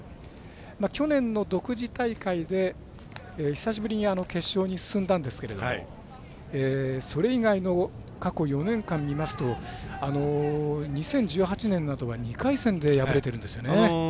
去年の独自大会で久しぶりに決勝に進んだんですけどそれ以外の過去４年間を見ますと２０１８年は２回戦で敗れているんですよね。